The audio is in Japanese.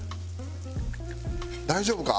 大丈夫か？